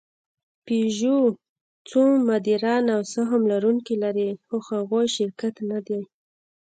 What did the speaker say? پيژو څو مدیران او سهم لرونکي لري؛ خو هغوی شرکت نهدي.